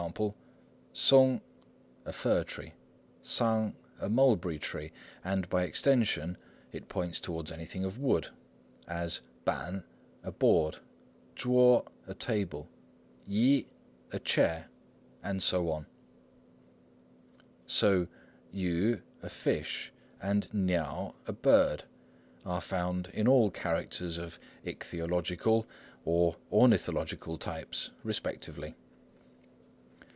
_松 sung "a fir tree," 桑 sang "a mulberry tree"; and by extension it points toward anything of wood, as 板 pan "a board," 桌 cho "a table," 椅 i "a chair," and so on. So 魚 yü "a fish" and 鳥 niao "a bird" are found in all characters of ichthyological or ornithological types, respectively.